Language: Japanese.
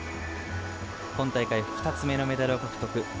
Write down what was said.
今大会２つ目のメダルを獲得。